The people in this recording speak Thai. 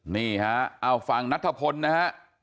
นี่ฮะฝั่งนัทพลนะฮะ